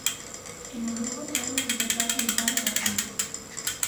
E no Lugo danlle unha importancia vital ao partido.